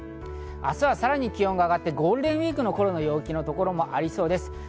明日はさらに気温が上がってゴールデンウイークの頃の陽気のところもありそうです。